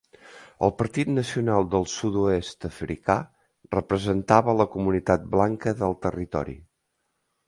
El partit Nacional del Sud-oest africà representava la comunitat blanca del territori.